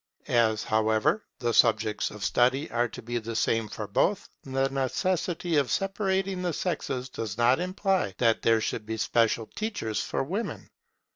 As, however, the subjects of study are to be the same for both, the necessity of separating the sexes does not imply that there should be special teachers for women.